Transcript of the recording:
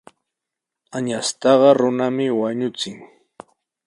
Añastaqa runami wañuchin.